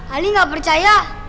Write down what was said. ali gak percaya